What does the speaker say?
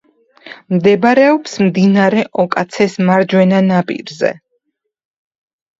მდებარეობს მდინარე ოკაცეს მარჯვენა ნაპირზე.